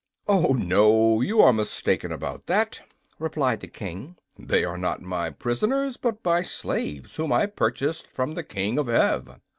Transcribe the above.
"Oh, no; you are mistaken about that," replied the King. "They are not my prisoners, but my slaves, whom I purchased from the King of Ev."